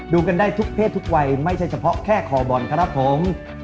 กันได้ทุกเพศทุกวัยไม่ใช่เฉพาะแค่คอบอลครับผม